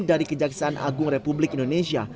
dari kejaksaan agung republik indonesia